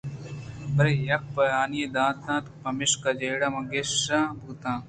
برے یک بیانے دات اَنت پمشکا جیڑہ مانگیشّاں بوت